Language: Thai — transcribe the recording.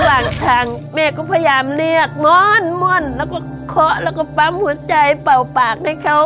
ละหว่างทางเมฆก็พยายามเรียกม้อนแล้วก็เขาแล้วก็ปั้มหัวใจเป่าปากให้เขา